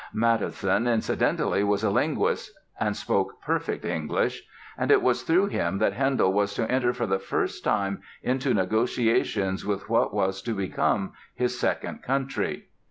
Mattheson, incidentally, was a linguist and spoke perfect English; and it was through him that Handel was to enter for the first time into negotiations with what was to become his second country.